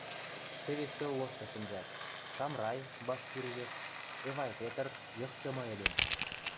Теве стӧл лошты шӹнзӓт: Шамрай — башкир йых, Эвай Петр — йыхдымы эдем.